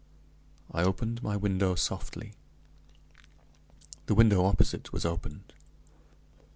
I opened my window softly; the window opposite was opened!